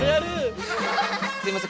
すみません。